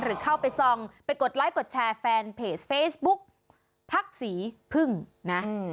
หรือเข้าไปส่องไปกดไลค์กดแชร์แฟนเพจเฟซบุ๊กพักศรีพึ่งนะ